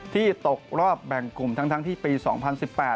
ที่ตกรอบแบ่งกลุ่มทั้งที่ปี๒๐๑๘